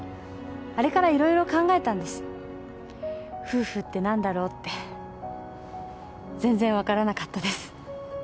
あれから色々考えたんです夫婦って何だろうって全然わからなかったです